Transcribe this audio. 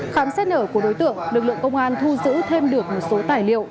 khám xét nở của đối tượng lực lượng công an thu giữ thêm được một số tài liệu